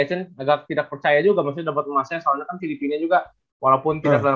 action agak tidak percaya juga maksudnya dapat emasnya soalnya kan filipina juga walaupun tidak pernah